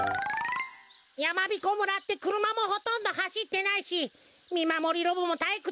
やまびこ村ってくるまもほとんどはしってないしみまもりロボもたいくつだよな。